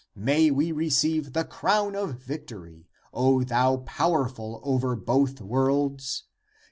May we receive the crown of victory, O thou powerful over both worlds